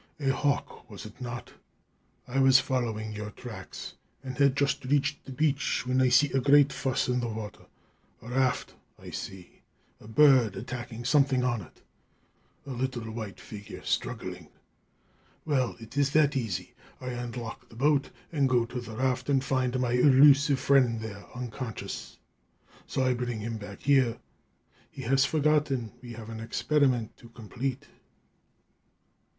A hawk was it not? I was following your tracks, and had just reached the beach when I see a great fuss on the water. A raft, I see! A bird, attacking something on it! A little white figure, struggling! Well, it is that easy. I unlock the boat and go to the raft and find my elusive friend there, unconscious. So I bring him back here. He has forgotten: we have an experiment to complete."